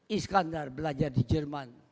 iskandar belajar di jerman